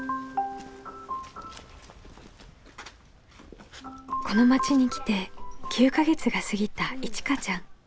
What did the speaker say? この町に来て９か月が過ぎたいちかちゃん。